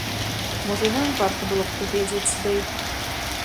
Можа, і нам варта было б прыгледзіцца да іх?